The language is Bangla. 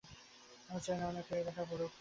আমি চাই না অন্য কেউ এই লেখা পড়ুক।